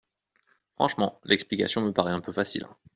Franchement, l’explication nous paraît un peu facile.